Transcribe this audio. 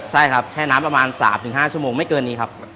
ใช่ครับแช่น้ำประมาณ๓๕ชั่วโมงไม่เกินนี้ครับ